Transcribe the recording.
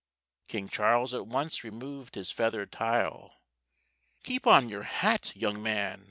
_ King Charles at once removed his feathered tile. "Keep on your hat, young man!"